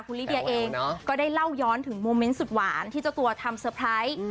คุณลิเดียเองก็ได้เล่าย้อนถึงโมเมนต์สุดหวานที่เจ้าตัวทำเซอร์ไพรส์